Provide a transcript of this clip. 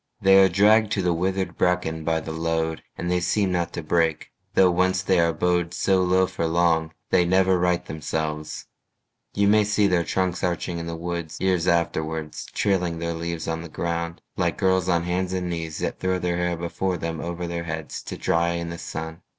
They are dragged to the withered bracken by the load, And they seem not to break; though once they are bowed So low for long, they never right themselves: You may see their trunks arching in the woods Years afterwards, trailing their leaves on the ground Like girls on hands and knees that throw their hair Before them over their heads to dry in the sun.